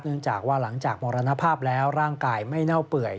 เนื่องจากว่าหลังจากมรณภาพแล้วร่างกายไม่เน่าเปื่อย